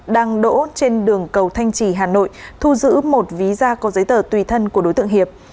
đang đỗ trên đường cầu thanh trì hà nội thu giữ một ví da có giấy tờ tùy thân của đối tượng hiệp